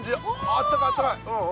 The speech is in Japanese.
あったかいあったかい！